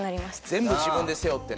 全部自分で背負ってね。